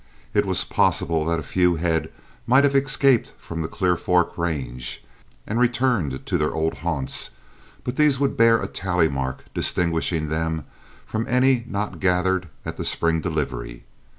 It was possible that a few head might have escaped from the Clear Fork range and returned to their old haunts, but these would bear a tally mark distinguishing them from any not gathered at the spring delivery.